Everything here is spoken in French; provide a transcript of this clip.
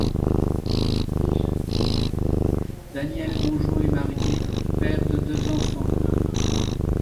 Daniel Mongeau est marié, père de deux enfants.